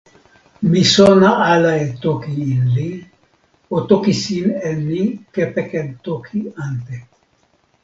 mi sona ala e toki Inli. o toki sin e ni kepeken toki ante.